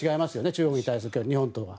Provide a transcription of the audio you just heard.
中国に対する距離、日本とは。